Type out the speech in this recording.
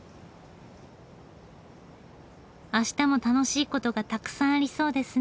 あしたも楽しい事がたくさんありそうですね